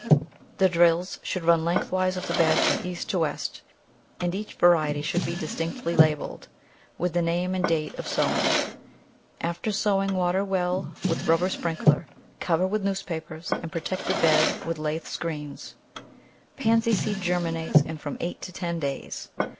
The drills should run lengthwise of the bed from east to west, and each variety should be distinctly labelled with name and date of sowing. After sowing water well with the rubber sprinkler, cover with newspapers, and protect the bed with lath screens. Pansy seed germinates in from eight to ten days.